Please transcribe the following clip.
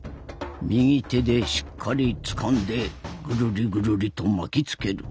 右手でしっかりつかんでぐるりぐるりと巻きつける。